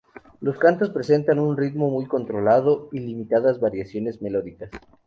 Los cantos presentan un ritmo muy controlado y limitadas variaciones melódicas.